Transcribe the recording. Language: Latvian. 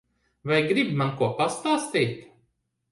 Vai gribi man ko pastāstīt?